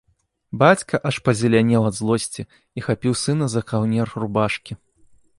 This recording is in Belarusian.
Бацька аж пазелянеў ад злосці і хапіў сына за каўнер рубашкі.